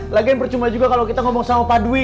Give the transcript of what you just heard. lagian percuma juga kalau kita ngomong sama pak dwi